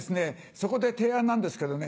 そこで提案なんですけどね